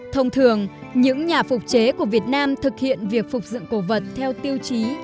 thông thường những nhà phục chế của việt nam thực hiện việc phục dựng cổ vật theo tiêu chí